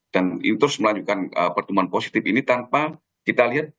dan itu terus melanjutkan pertumbuhan positif ini tanpa kita lihat